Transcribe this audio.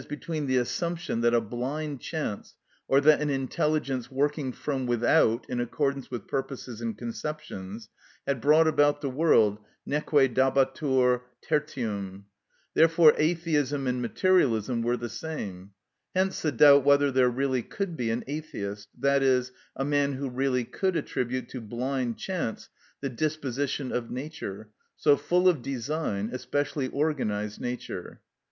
_, between the assumption that a blind chance, or that an intelligence working from without in accordance with purposes and conceptions, had brought about the world, neque dabatur tertium. Therefore atheism and materialism were the same; hence the doubt whether there really could be an atheist, i.e., a man who really could attribute to blind chance the disposition of nature, so full of design, especially organised nature.